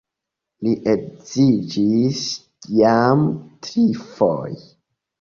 Li edziĝis jam trifoje.